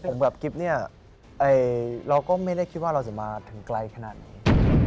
ผมกับกิ๊บเนี่ยเราก็ไม่ได้คิดว่าเราจะมาถึงไกลขนาดนี้